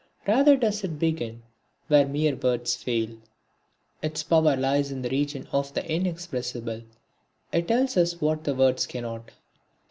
Rather does it begin where mere words fail. Its power lies in the region of the inexpressible; it tells us what the words cannot.